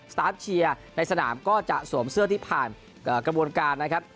ตาร์ฟเชียร์ในสนามก็จะสวมเสื้อที่ผ่านกระบวนการนะครับ